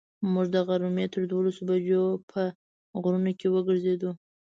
موږ د غرمې تر دولسو بجو په غرونو کې وګرځېدو.